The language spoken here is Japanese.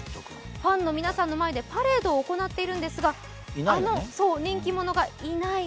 ファンの皆さんの前でパレードを行っているんですが、あの人気者がいない。